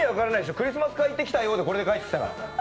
クリスマス会行ってきたよでこれで帰ってきたら。